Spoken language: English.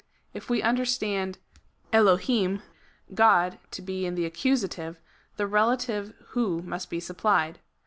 If we understand D\l7j< (God) to be in the accusative, the relative who must be supplied.